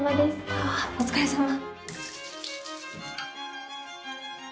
あお疲れさま。